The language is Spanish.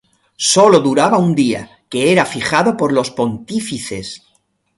Sólo duraba un día, que era fijado por los pontífices.